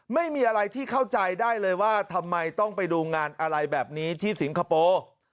ไม่มีอะไรที่เข้าใจได้เลยว่าทำไมต้องไปดูงานอะไรแบบนี้ที่สิงคโปร์